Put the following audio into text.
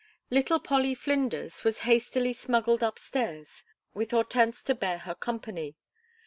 "Little Polly Flinders" was hastily smuggled upstairs, with Hortense to bear her company.